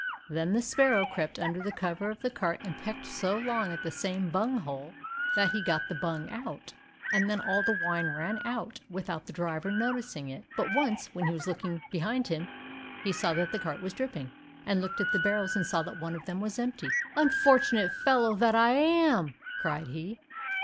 Then the sparrow crept under the cover of the cart, and pecked so long at the same bung hole that he got the bung out, and then all the wine ran out without the driver noticing it. But once when he was looking behind him he saw that the cart was dripping, and looked at the barrels and saw that one of them was empty. "Unfortunate fellow that I am," cried he.